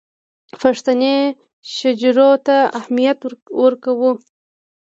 پښتني شجرو ته اهمیت ورکړو.